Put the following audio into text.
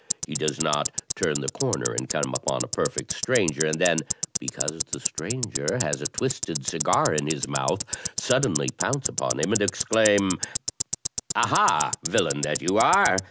He does not turn the comer and come upon a perfect stranger, and then, because the stranger has a twisted cigar in his mouth, suddenly poimce upon him and exclaim: *Aha, villain that you are!